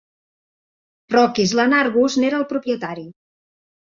Rock Island Argus n'era el propietari.